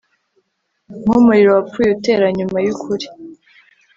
Nkumuriro wapfuye utera nyuma yukuri